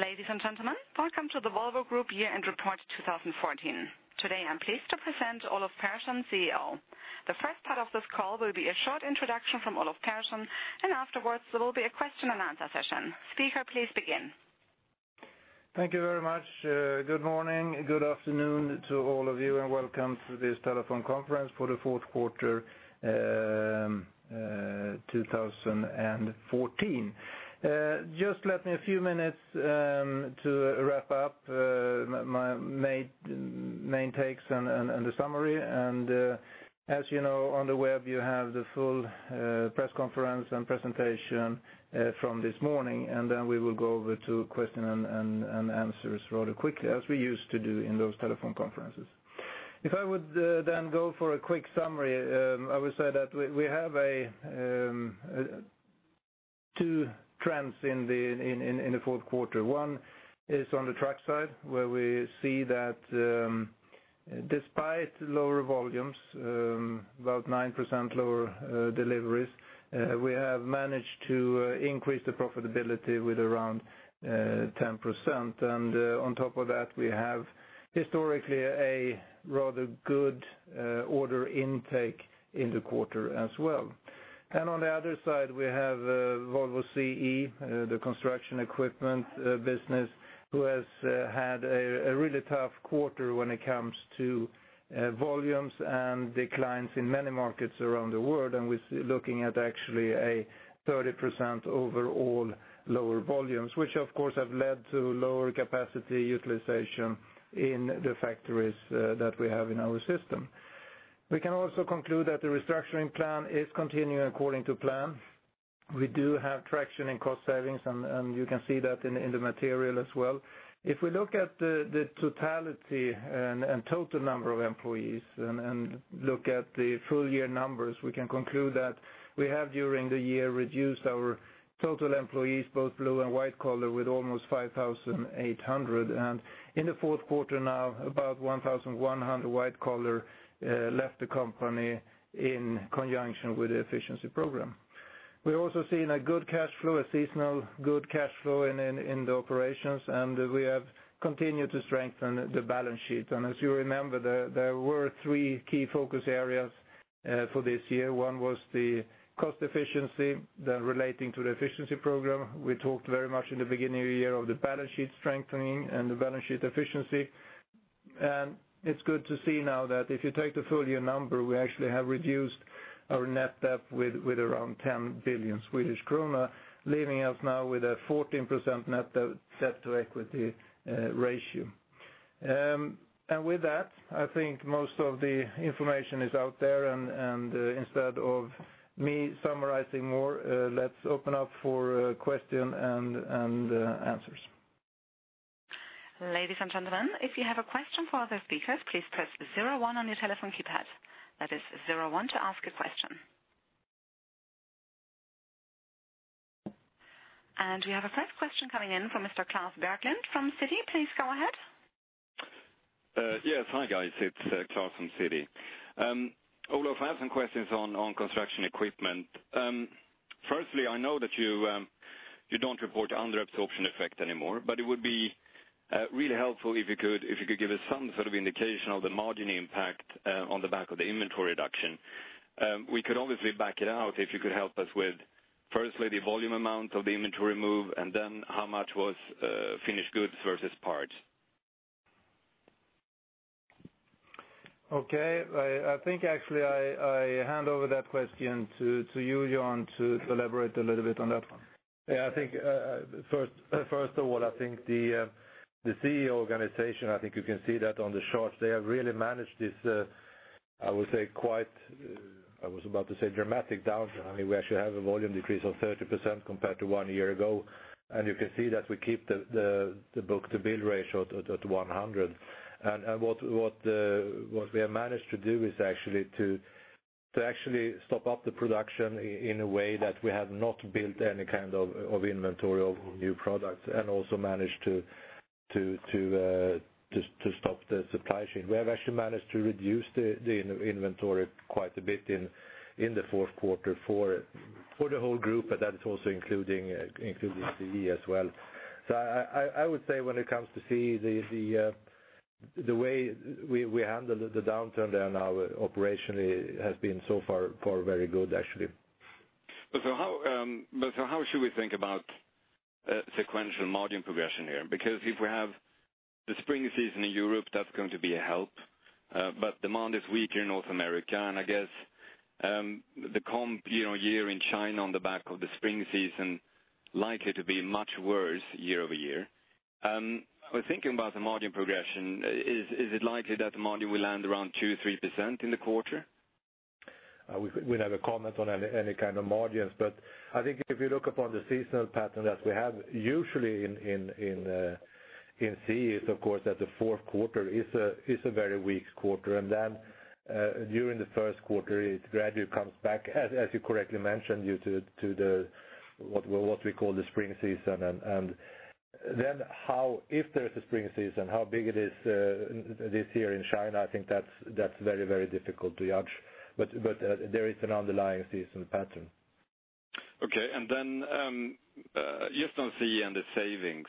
Ladies and gentlemen, welcome to the Volvo Group year-end report 2014. Today, I'm pleased to present Olof Persson, CEO. The first part of this call will be a short introduction from Olof Persson. Afterwards, there will be a question and answer session. Speaker, please begin. Thank you very much. Good morning, good afternoon to all of you, and welcome to this telephone conference for the fourth quarter 2014. Just let me a few minutes to wrap up my main takes and the summary. As you know, on the web you have the full press conference and presentation from this morning. Then we will go over to question and answers rather quickly as we used to do in those telephone conferences. If I would then go for a quick summary, I would say that we have two trends in the fourth quarter. One is on the truck side, where we see that despite lower volumes, about 9% lower deliveries, we have managed to increase the profitability with around 10%. On top of that, we have historically a rather good order intake in the quarter as well. On the other side, we have Volvo CE, the construction equipment business, who has had a really tough quarter when it comes to volumes and declines in many markets around the world. We're looking at actually a 30% overall lower volumes, which of course have led to lower capacity utilization in the factories that we have in our system. We can also conclude that the restructuring plan is continuing according to plan. We do have traction in cost savings. You can see that in the material as well. If we look at the totality and total number of employees and look at the full year numbers, we can conclude that we have during the year reduced our total employees, both blue and white collar, with almost 5,800. In the fourth quarter now about 1,100 white collar left the company in conjunction with the efficiency program. We're also seeing a good cash flow, a seasonal good cash flow in the operations. We have continued to strengthen the balance sheet. As you remember, there were three key focus areas for this year. One was the cost efficiency, relating to the efficiency program. We talked very much in the beginning of the year of the balance sheet strengthening and the balance sheet efficiency. It's good to see now that if you take the full year number, we actually have reduced our net debt with around 10 billion Swedish krona, leaving us now with a 14% net debt to equity ratio. With that, I think most of the information is out there, instead of me summarizing more, let's open up for question and answers. Ladies and gentlemen, if you have a question for other speakers, please press 01 on your telephone keypad. That is 01 to ask a question. We have a first question coming in from Mr. Klas Bergelind from Citi. Please go ahead. Yes. Hi, guys. It's Klas from Citi. Olof, I have some questions on construction equipment. Firstly, I know that you don't report under absorption effect anymore, but it would be really helpful if you could give us some sort of indication of the margin impact on the back of the inventory reduction. We could obviously back it out if you could help us with, firstly, the volume amount of the inventory move, and then how much was finished goods versus parts. Okay. I think actually I hand over that question to you, Jan, to elaborate a little bit on that one. Yeah, first of all, I think the CE organization, I think you can see that on the charts. They have really managed this, I would say quite, I was about to say dramatic downturn. I mean, we actually have a volume decrease of 30% compared to one year ago. You can see that we keep the book-to-bill ratio at 100. What we have managed to do is to actually stop up the production in a way that we have not built any kind of inventory of new products and also managed to stop the supply chain. We have actually managed to reduce the inventory quite a bit in the fourth quarter for the whole group, but that is also including CE as well. I would say when it comes to CE, the way we handle the downturn there now, operationally has been so far very good, actually. How should we think about sequential margin progression here? If we have the spring season in Europe, that's going to be a help. Demand is weak in North America. I guess the comp year in China on the back of the spring season likely to be much worse year-over-year. Thinking about the margin progression, is it likely that the margin will land around 2%-3% in the quarter? We never comment on any kind of margins. I think if you look upon the seasonal pattern that we have, usually in CE it's of course that the fourth quarter is a very weak quarter. During the first quarter, it gradually comes back, as you correctly mentioned, due to what we call the spring season. If there is a spring season, how big it is this year in China, I think that's very difficult to judge. There is an underlying seasonal pattern. Okay. Just on CE and the savings.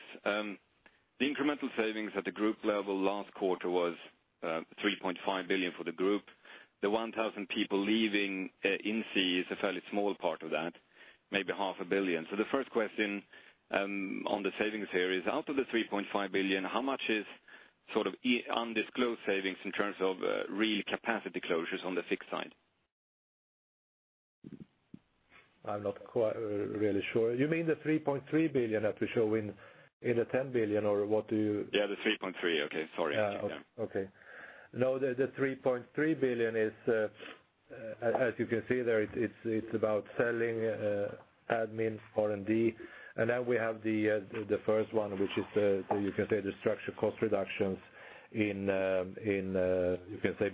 The incremental savings at the group level last quarter was 3.5 billion for the group. The 1,000 people leaving in CE is a fairly small part of that, maybe SEK half a billion. The first question on the savings here is, out of the 3.5 billion, how much is undisclosed savings in terms of real capacity closures on the fixed side? I'm not really sure. You mean the 3.3 billion that we show in the 10 billion? Or what do you- Yeah, the 3.3. Okay, sorry. The 3.3 billion is, as you can see there, it's about selling admin, R&D, and then we have the first one, which is the structure cost reductions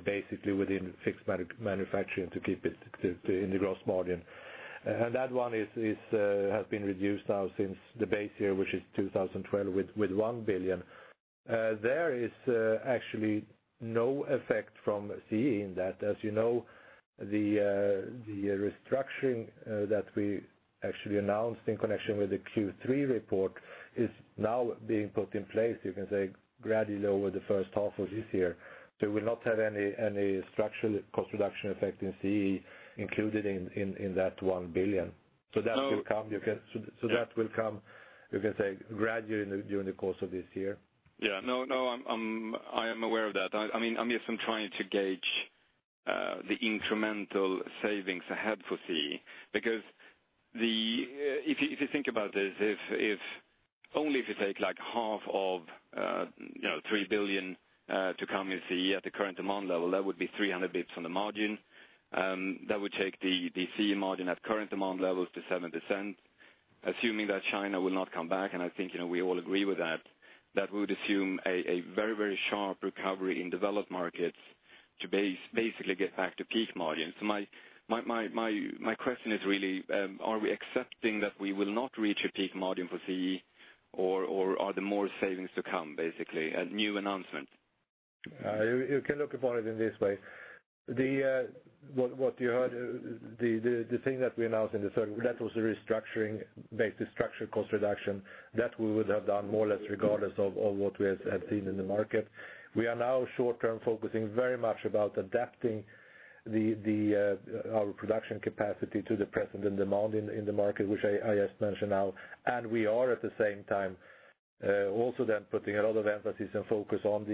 basically within fixed manufacturing to keep it in the gross margin. That one has been reduced now since the base year, which is 2012, with 1 billion. There is actually no effect from CE in that. As you know, the restructuring that we actually announced in connection with the Q3 report is now being put in place, you can say gradually over the first half of this year. We will not have any structural cost reduction effect in CE included in that 1 billion. That will come gradually during the course of this year. Yeah. No, I am aware of that. I'm just trying to gauge the incremental savings ahead for CE, because if you think about this, only if you take half of 3 billion to come in CE at the current demand level, that would be 300 basis points on the margin. That would take the CE margin at current demand levels to 7%, assuming that China will not come back, and I think we all agree with that. That would assume a very sharp recovery in developed markets to basically get back to peak margins. My question is really, are we accepting that we will not reach a peak margin for CE, or are there more savings to come, basically, a new announcement? You can look upon it in this way. What you heard, the thing that we announced in the third, that was a restructuring basis structure cost reduction that we would have done more or less regardless of what we have seen in the market. We are now short-term focusing very much about adapting our production capacity to the present and demand in the market, which I just mentioned now. We are, at the same time, also then putting a lot of emphasis and focus on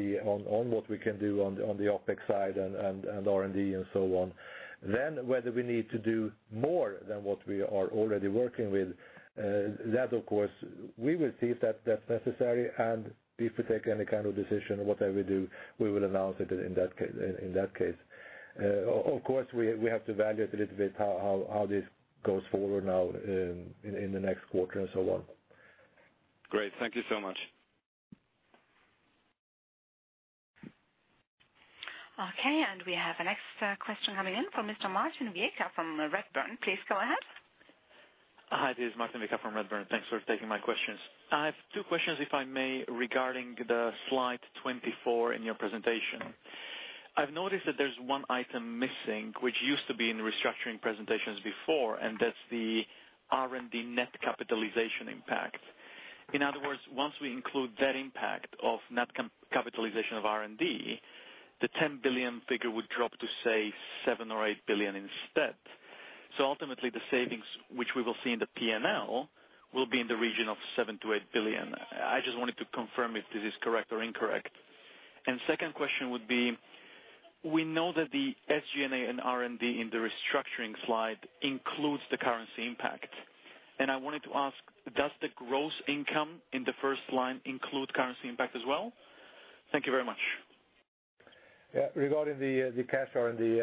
what we can do on the OpEx side and R&D and so on. Whether we need to do more than what we are already working with, that of course, we will see if that's necessary and if we take any kind of decision, whatever we do, we will announce it in that case. Of course, we have to value it a little bit how this goes forward now in the next quarter and so on. Great. Thank you so much. Okay, we have a next question coming in from Mr. Martin Wiger from Redburn. Please go ahead. Hi, this is Martin Wiger from Redburn. Thanks for taking my questions. I have two questions, if I may, regarding the slide 24 in your presentation. I've noticed that there's one item missing, which used to be in the restructuring presentations before, and that's the R&D net capitalization impact. In other words, once we include that impact of net capitalization of R&D, the 10 billion figure would drop to, say, 7 billion or 8 billion instead. Ultimately, the savings which we will see in the P&L will be in the region of 7 billion-8 billion. I just wanted to confirm if this is correct or incorrect. Second question would be, we know that the SG&A and R&D in the restructuring slide includes the currency impact. I wanted to ask, does the gross income in the first line include currency impact as well? Thank you very much. Regarding the cash R&D,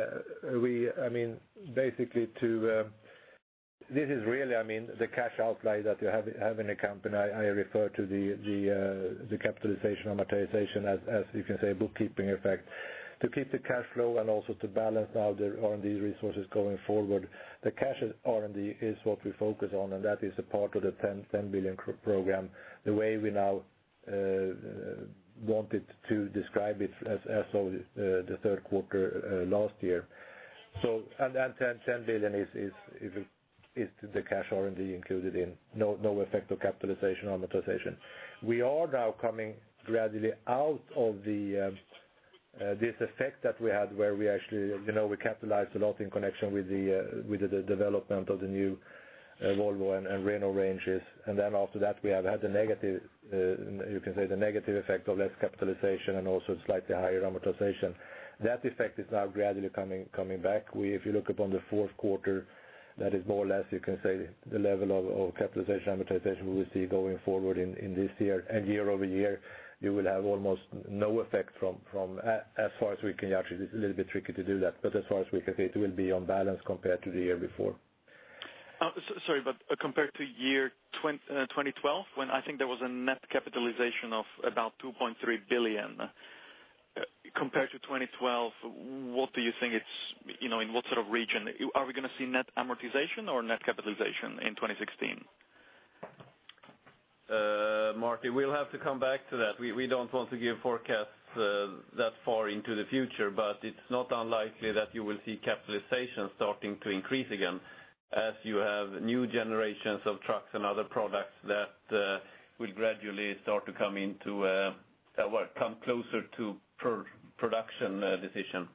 this is really the cash outlay that you have in a company. I refer to the capitalization, amortization as you can say, a bookkeeping effect to keep the cash flow and also to balance out the R&D resources going forward. The cash R&D is what we focus on, and that is a part of the 10 billion program, the way we now wanted to describe it as of the third quarter last year. That 10 billion is the cash R&D included in no effect of capitalization or amortization. We are now coming gradually out of this effect that we had where we capitalized a lot in connection with the development of the new Volvo and Renault ranges. Then after that, we have had the negative effect of less capitalization and also slightly higher amortization. That effect is now gradually coming back. If you look upon the fourth quarter, that is more or less the level of capitalization, amortization we will see going forward in this year and year-over-year, you will have almost no effect as far as we can actually, it's a little bit tricky to do that, but as far as we can see, it will be on balance compared to the year before. Sorry, compared to year 2012, when I think there was a net capitalization of about 2.3 billion. Compared to 2012, in what sort of region? Are we going to see net amortization or net capitalization in 2016? Martin, we'll have to come back to that. We don't want to give forecasts that far into the future, but it's not unlikely that you will see capitalization starting to increase again as you have new generations of trucks and other products that will gradually start to come closer to production decision.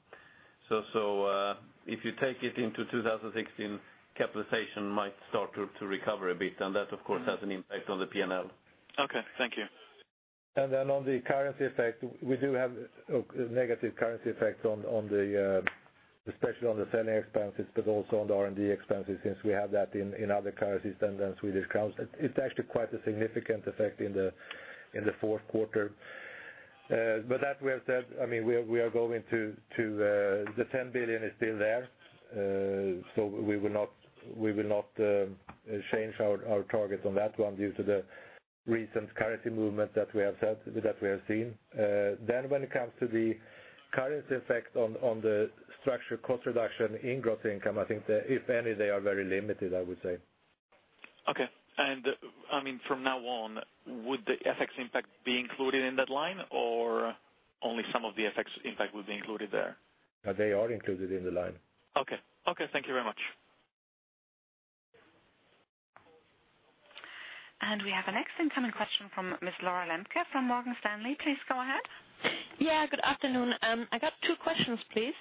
If you take it into 2016, capitalization might start to recover a bit, and that, of course, has an impact on the P&L. Okay. Thank you. On the currency effect, we do have a negative currency effect, especially on the selling expenses, but also on the R&D expenses, since we have that in other currencies than SEK. It's actually quite a significant effect in the fourth quarter. That we have said, the 10 billion is still there, so we will not change our targets on that one due to the recent currency movement that we have seen. When it comes to the currency effect on the structural cost reduction in gross income, I think that if any, they are very limited, I would say. Okay. From now on, would the FX impact be included in that line, or only some of the FX impact will be included there? No, they are included in the line. Okay. Thank you very much. We have a next incoming question from Ms. Laura Lembke from Morgan Stanley. Please go ahead. Good afternoon. I got two questions, please.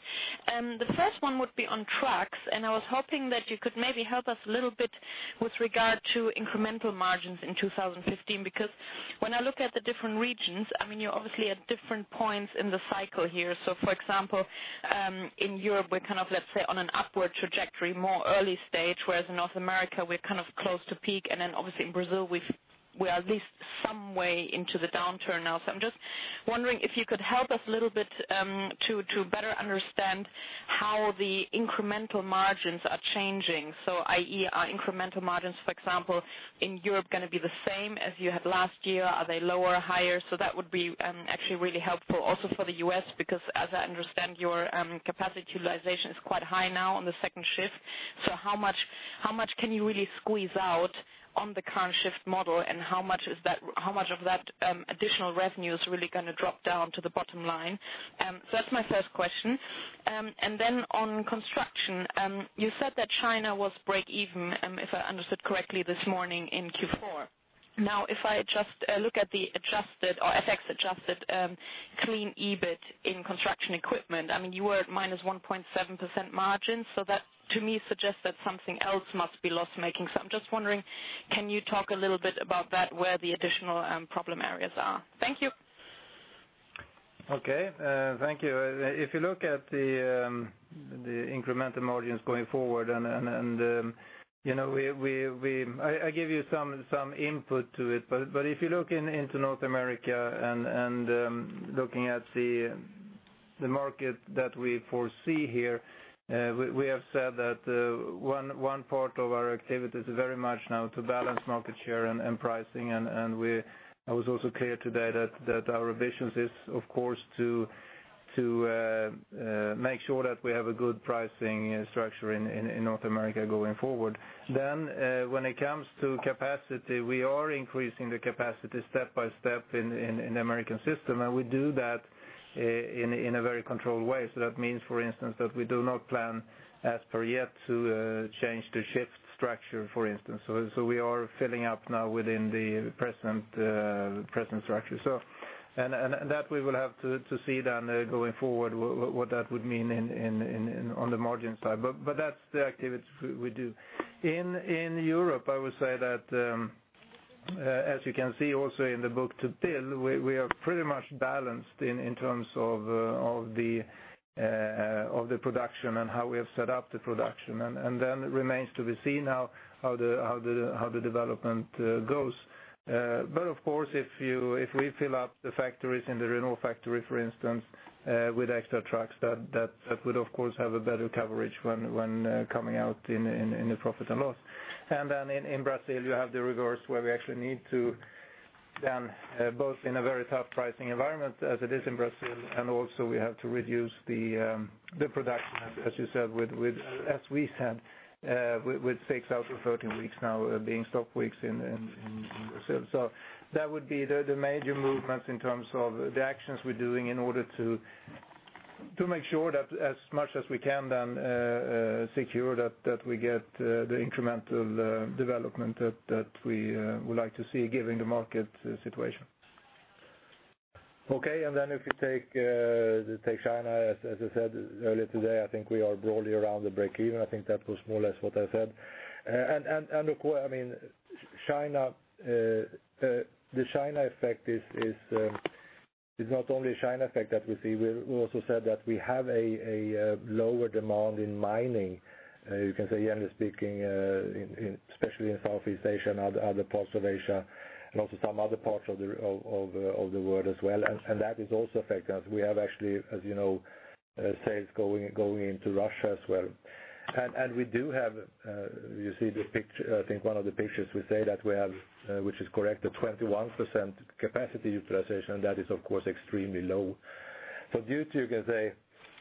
The first one would be on trucks, and I was hoping that you could maybe help us a little bit with regard to incremental margins in 2015. When I look at the different regions, you're obviously at different points in the cycle here. For example, in Europe, we're kind of, let's say, on an upward trajectory, more early stage, whereas in North America we're kind of close to peak, and then obviously in Brazil, we are at least some way into the downturn now. I'm just wondering if you could help us a little bit to better understand how the incremental margins are changing. I.e., are incremental margins, for example, in Europe, going to be the same as you had last year? Are they lower or higher? That would be actually really helpful also for the U.S. because as I understand, your capacity utilization is quite high now on the second shift. How much can you really squeeze out on the current shift model, and how much of that additional revenue is really going to drop down to the bottom line? That's my first question. Then on Construction Equipment, you said that China was break even, if I understood correctly this morning in Q4. If I just look at the FX-adjusted clean EBIT in Construction Equipment, you were at -1.7% margin. That to me suggests that something else must be loss-making. I'm just wondering, can you talk a little bit about that, where the additional problem areas are? Thank you. Okay. Thank you. If you look at the incremental margins going forward, I give you some input to it. If you look into North America and looking at the market that we foresee here, we have said that one part of our activity is very much now to balance market share and pricing, and I was also clear today that our ambition is, of course, to make sure that we have a good pricing structure in North America going forward. When it comes to capacity, we are increasing the capacity step by step in the American system, and we do that in a very controlled way. That means, for instance, that we do not plan as per yet to change the shift structure, for instance. We are filling up now within the present structure. That we will have to see then going forward what that would mean on the margin side. That's the activities we do. In Europe, I would say that as you can see also in the book-to-bill, we are pretty much balanced in terms of the production and how we have set up the production. It remains to be seen how the development goes. Of course, if we fill up the factories, in the Renault factory, for instance, with extra trucks, that would of course have a better coverage when coming out in the profit and loss. Then in Brazil, you have the reverse where we actually need to then both in a very tough pricing environment as it is in Brazil, and also we have to reduce the production, as we said, with 6 out of 13 weeks now being stop weeks in Brazil. That would be the major movements in terms of the actions we're doing in order to make sure that as much as we can then secure that we get the incremental development that we would like to see given the market situation. Okay, if you take China, as I said earlier today, I think we are broadly around the break even. I think that was more or less what I said. Look, the China effect is not only a China effect that we see. We also said that we have a lower demand in mining. You can say generally speaking, especially in Southeast Asia and other parts of Asia, also some other parts of the world as well, that is also affecting us. We have actually, as you know, sales going into Russia as well. We do have, you see, I think one of the pictures we say that we have, which is correct, the 21% capacity utilization. That is, of course, extremely low.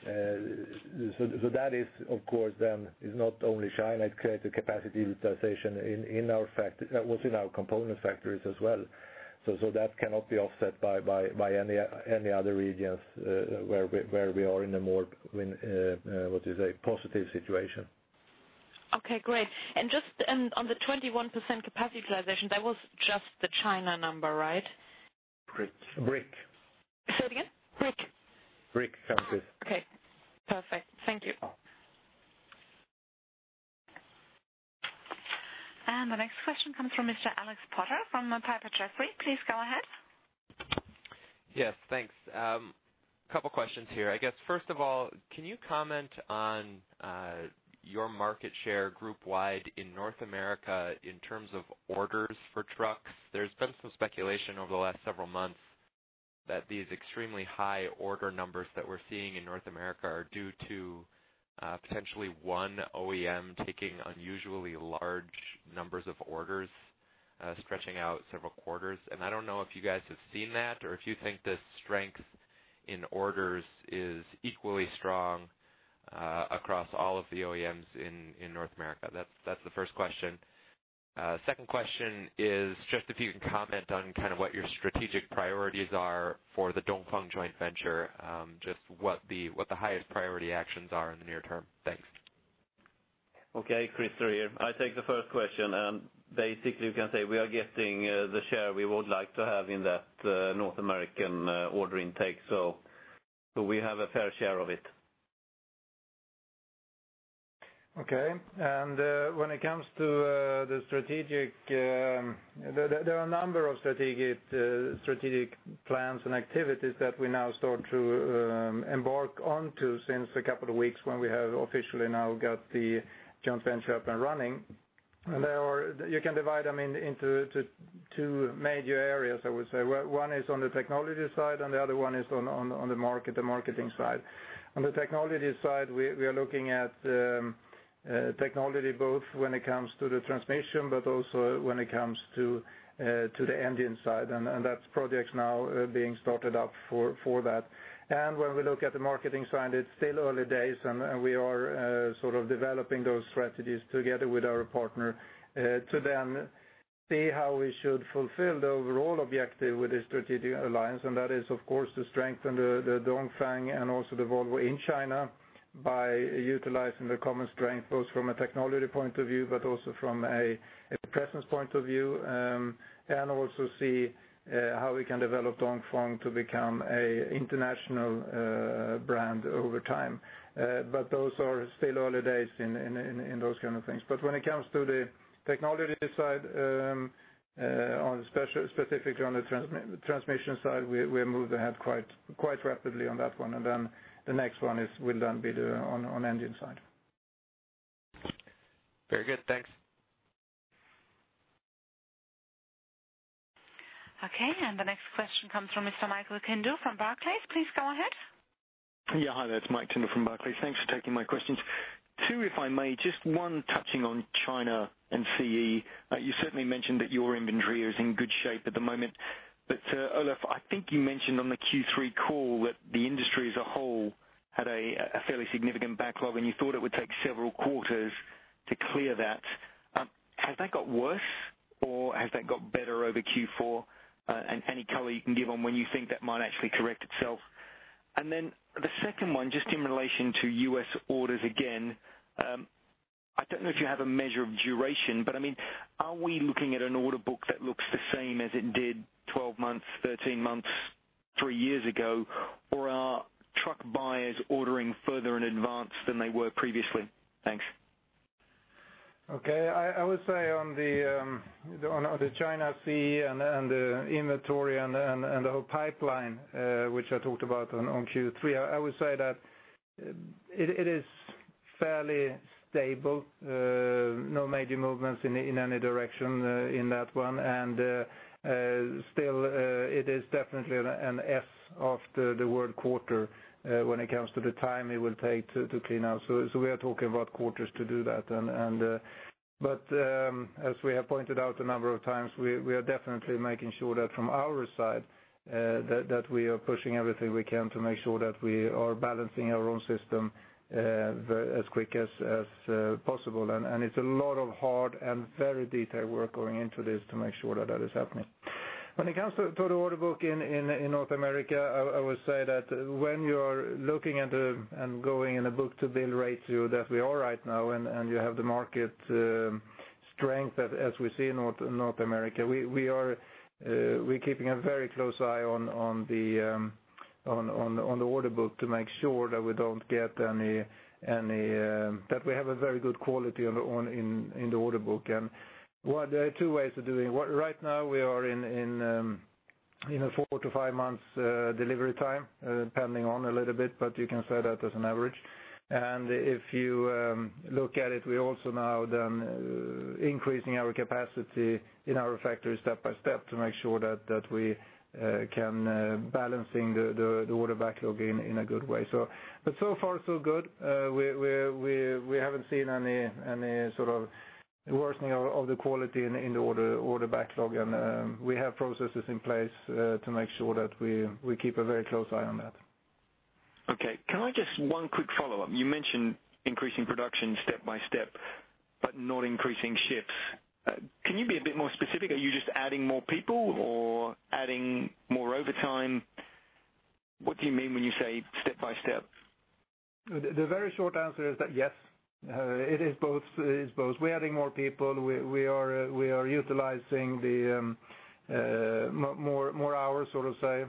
That is, of course, then is not only China. It created capacity utilization in what's in our component factories as well. That cannot be offset by any other regions, where we are in a more, what to say, positive situation. Okay, great. Just on the 21% capacity utilization, that was just the China number, right? BRIC. Say it again. BRIC? BRIC countries. Okay. Perfect. Thank you. The next question comes from Mr. Alex Potter from Piper Jaffray. Please go ahead. Yes. Thanks. Couple of questions here. I guess, first of all, can you comment on your market share group-wide in North America in terms of orders for trucks? There's been some speculation over the last several months that these extremely high order numbers that we're seeing in North America are due to, potentially one OEM taking unusually large numbers of orders, stretching out several quarters. I don't know if you guys have seen that, or if you think the strength in orders is equally strong across all of the OEMs in North America. That's the first question. Second question is just if you can comment on kind of what your strategic priorities are for the Dongfeng joint venture, just what the highest priority actions are in the near term. Thanks. Okay. Christer here. I take the first question, basically, you can say we are getting the share we would like to have in that North American order intake, we have a fair share of it. Okay. When it comes to the strategic, there are a number of strategic plans and activities that we now start to embark onto since a couple of weeks when we have officially now got the joint venture up and running. You can divide them into two major areas, I would say. One is on the technology side, and the other one is on the marketing side. On the technology side, we are looking at technology both when it comes to the transmission, but also when it comes to the engine side. That's projects now being started up for that. When we look at the marketing side, it's still early days, and we are sort of developing those strategies together with our partner, to then see how we should fulfill the overall objective with the strategic alliance. That is, of course, to strengthen the Dongfeng and also the Volvo in China by utilizing the common strength, both from a technology point of view, but also from a presence point of view. Also see how we can develop Dongfeng to become an international brand over time. Those are still early days in those kind of things. When it comes to the technology side, specifically on the transmission side, we have moved ahead quite rapidly on that one. The next one will then be on engine side. Very good. Thanks. Okay. The next question comes from Mr. Michael Tindall from Barclays. Please go ahead. Yeah. Hi there. It's Mike Tindall from Barclays. Thanks for taking my questions. Two, if I may. Just one touching on China and CE. You certainly mentioned that your inventory is in good shape at the moment. Olof, I think you mentioned on the Q3 call that the industry as a whole had a fairly significant backlog, and you thought it would take several quarters to clear that. Has that got worse or has that got better over Q4? Any color you can give on when you think that might actually correct itself? The second one, just in relation to U.S. orders again. I don't know if you have a measure of duration, are we looking at an order book that looks the same as it did 12 months, 13 months, three years ago? Are truck buyers ordering further in advance than they were previously? Thanks. Okay. I would say on the China CE and the inventory and the whole pipeline, which I talked about on Q3, I would say that it is fairly stable. No major movements in any direction in that one. Still, it is definitely an S after the word quarter when it comes to the time it will take to clean out. We are talking about quarters to do that. As we have pointed out a number of times, we are definitely making sure that from our side, that we are pushing everything we can to make sure that we are balancing our own system as quick as possible. It's a lot of hard and very detailed work going into this to make sure that that is happening. When it comes to the order book in North America, I would say that when you are looking at and going in a book-to-bill ratio that we are right now, and you have the market strength as we see in North America, we're keeping a very close eye on the order book to make sure that we have a very good quality in the order book. There are two ways of doing. Right now, we are in a four to five months delivery time, depending on a little bit, but you can say that as an average. If you look at it, we also now then increasing our capacity in our factory step by step to make sure that we can balancing the order backlog in a good way. So far, so good. We haven't seen any sort of worsening of the quality in the order backlog. We have processes in place to make sure that we keep a very close eye on that. Okay. Can I just one quick follow-up? You mentioned increasing production step by step, but not increasing shifts. Can you be a bit more specific? Are you just adding more people or adding more overtime? What do you mean when you say step by step? The very short answer is that yes. It is both. We are adding more people. We are utilizing more hours, so to say,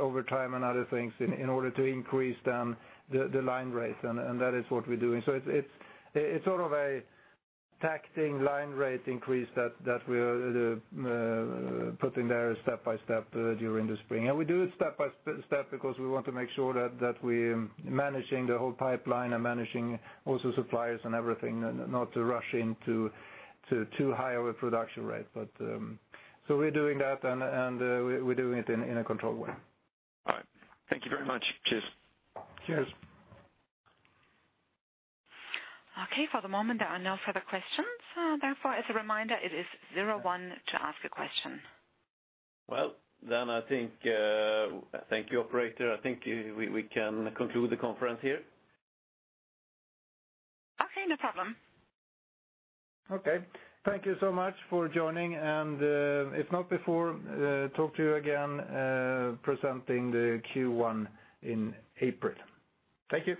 over time and other things in order to increase then the line rate, that is what we're doing. It's sort of a taxing line rate increase that we're putting there step by step during the spring. We do it step by step because we want to make sure that we're managing the whole pipeline and managing also suppliers and everything, not to rush into too high of a production rate. We're doing that, and we're doing it in a controlled way. All right. Thank you very much. Cheers. Cheers. Okay. For the moment, there are no further questions. As a reminder, it is zero one to ask a question. Well, thank you, operator. I think we can conclude the conference here. Okay. No problem. Okay. Thank you so much for joining, and if not before, talk to you again presenting the Q1 in April. Thank you.